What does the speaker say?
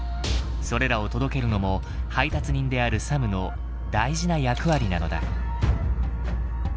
それらを届けるのも配達人であるサムの大事な役割なのだ。